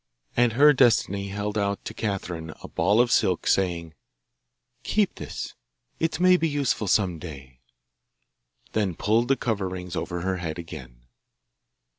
And her Destiny held out to Catherine a ball of silk, saying, 'Keep this it may be useful some day;' then pulled the coverings over her head again.